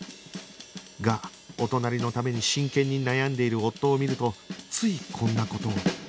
がお隣のために真剣に悩んでいる夫を見るとついこんな事を